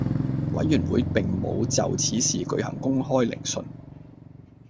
委員會並無就此事舉行公開聆訊